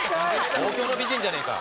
東京の美人じゃねえか。